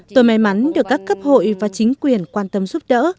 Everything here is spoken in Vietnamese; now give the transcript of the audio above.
tôi may mắn được các cấp hội và chính quyền quan tâm giúp đỡ